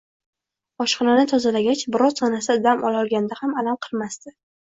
Oshxonani tozalagach, biroz xonasida dam ololganda ham alam qilmasdi